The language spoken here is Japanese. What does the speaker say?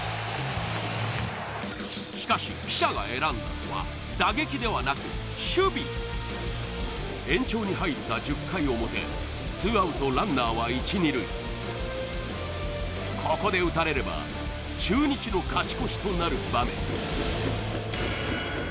しかし記者が選んだのは打撃ではなく守備延長に入った１０回表ツーアウトランナーは一・二塁ここで打たれれば中日の勝ち越しとなる場面